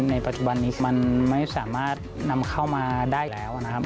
ในปัจจุบันนี้มันไม่สามารถนำเข้ามาได้แล้วนะครับ